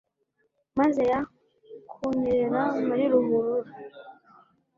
maze ya, kunyerera muri ruhurura